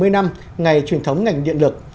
bảy mươi năm ngày truyền thống ngành điện lực